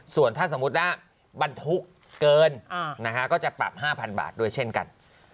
ส่วนถ้าสมมุติว่าบรรทุกเกินก็จะปรับ๕๐๐บาทด้วยเช่นกัน